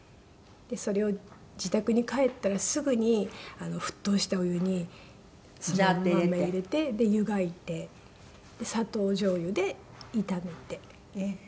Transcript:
それを自宅に帰ったらすぐに沸騰したお湯にそのまんま入れてで湯がいて砂糖じょうゆで炒めて。